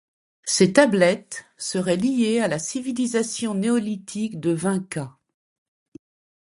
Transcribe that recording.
Ces tablettes seraient liées à la civilisation néolithique de Vinča.